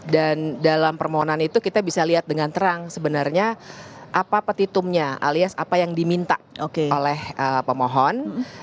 dan dalam permohonan itu kita bisa lihat dengan terang sebenarnya apa petitumnya alias apa yang diminta oleh pemohon